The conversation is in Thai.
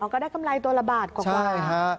ก็ได้กำไรตัวละบาทกว่า